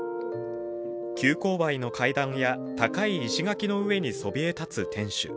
急こう配の階段や高い石垣の上にそびえ立つ天守。